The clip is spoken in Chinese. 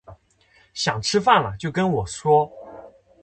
想吃饭了就跟我说